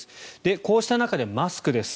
こうした中でマスクです。